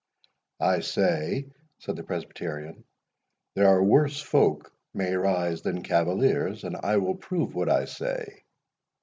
"I say," said the Presbyterian, "there are worse folk may rise than cavaliers; and I will prove what I say.